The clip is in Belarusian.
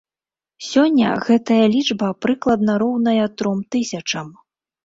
Сёння гэтая лічба прыкладна роўная тром тысячам.